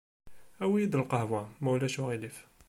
Awi-yi-d lqehwa, ma ulac aɣilif.